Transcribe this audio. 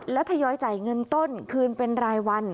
และทยอยจ่ายเงินต้นคืนเป็นรายวัน